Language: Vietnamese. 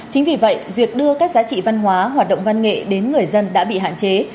chính vì vậy việc đưa các giá trị văn hóa hoạt động văn nghệ đến người dân đã bị hạn chế